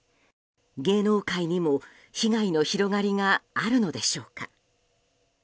芸能界にも被害の広がりがあるのでしょうか。